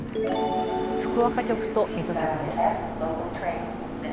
福岡局と水戸局です。